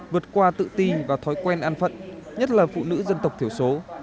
vượt qua tự ti và thói quen an phận nhất là phụ nữ dân tộc thiểu số